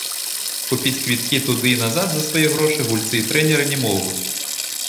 Купіць квіткі туды і назад за свае грошы гульцы і трэнеры не могуць.